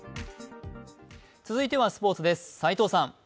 続いてはスポーツです。